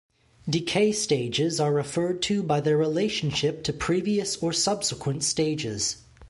Decay stages are referred to by their relationship to previous or subsequent stages.